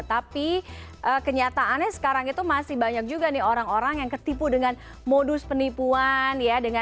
tapi kenyataannya sekarang itu masih banyak juga nih orang orang yang ketipu dengan modus penipuan